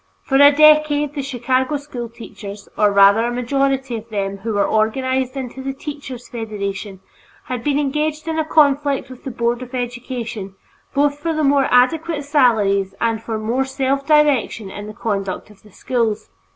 For a decade the Chicago school teachers, or rather a majority of them who were organized into the Teachers' Federation, had been engaged in a conflict with the Board of Education both for more adequate salaries and for more self direction in the conduct of the schools.